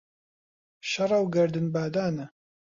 شەڕە و گەردن بادانە